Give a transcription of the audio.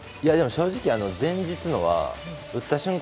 正直、前日のは打った瞬間